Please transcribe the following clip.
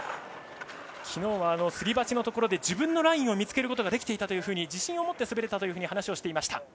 昨日はすり鉢のところで自分のラインを見つけることができていたと自信を持って滑れたと話していました。